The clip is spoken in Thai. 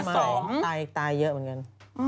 ตายเยอะเหมือนกัน